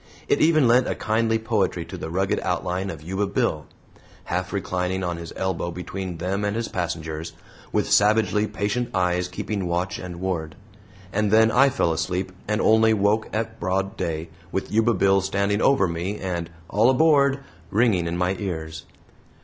It even lent a kindly poetry to the rugged outline of Yuba Bill, half reclining on his elbow between them and his passengers, with savagely patient eyes keeping watch and ward. And then I fell asleep and only woke at broad day, with Yuba Bill standing over me, and "All aboard" ringing in my ears.